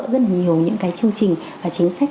rất là nhiều những cái chương trình và chính sách